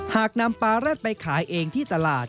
หากนำปลารัดไปขายเองที่ตลาด